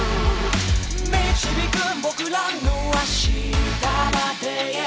「導く僕らの明日まで」